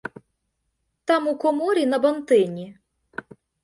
Там, у коморі, на бантині.